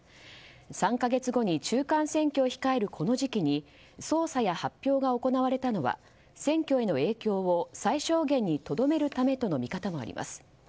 ３か月後に中間選挙を控えるこの時期に捜査や発表が行われたのは選挙への影響を最小限にとどめるためとの見方もあります。